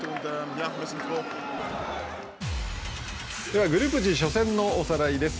ではグループＧ初戦のおさらいです。